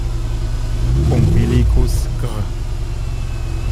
Umbilicus, gr.